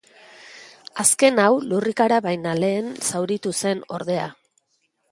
Azken hau, lurrikara baino lehen zauritu zen, ordea.